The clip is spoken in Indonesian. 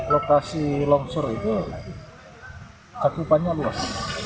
lokasi longsor itu cakupannya luas